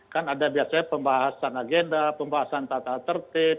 kan ada biasanya pembahasan agenda pembahasan tata tertib